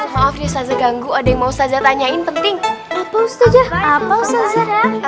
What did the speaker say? maaf ya saja ganggu ada yang mau saja tanyain penting apa apa saja